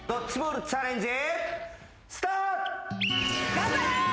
・頑張れ。